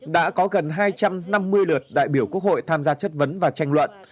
đã có gần hai trăm năm mươi lượt đại biểu quốc hội tham gia chất vấn và tranh luận